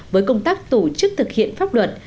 với công tác tổ chức thực hiện pháp luật